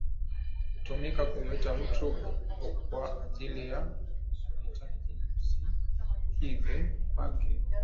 Hutumika kumwita mtu kwa ajili ya kuhitaji usikivu wake